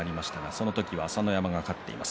その時は朝乃山が勝っています。